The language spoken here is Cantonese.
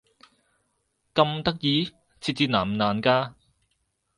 咁得意？設置難唔難㗎？